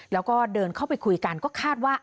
แล้วก็เดินเข้าไปคุยกันก็คาดว่า